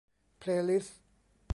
เพลย์ลิสต์